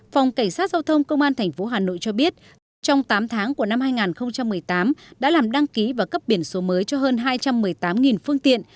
phòng cảnh sát giao thông công an tp hà nội cho biết trong tám tháng của năm hai nghìn một mươi tám đã làm đăng ký và cấp biển số mới cho hơn hai trăm một mươi tám phương tiện